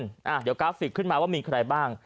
เดี๋ยวกราฟิกขึ้นมาว่ามีใครบ้าง